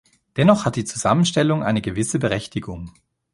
Dennoch hat die Zusammenstellung eine gewisse Berechtigung.